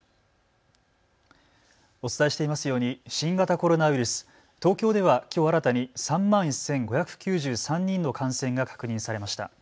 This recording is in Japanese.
お伝えしていますように新型コロナウイルス、東京ではきょう新たに３万１５９３人の感染が確認されました。